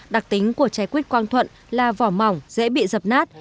đặc tính của trái quýt quang thuận là vỏ mỏng dễ bị dập nát